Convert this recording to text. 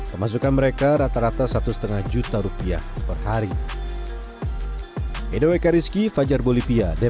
pemasukan mereka rata rata satu lima juta rupiah per hari